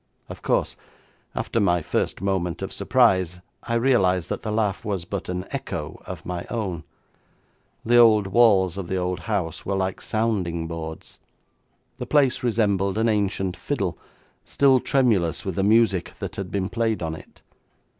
Of course, after my first moment of surprise, I realised that the laugh was but an echo of my own. The old walls of the old house were like sounding boards. The place resembled an ancient fiddle, still tremulous with the music that had been played on it.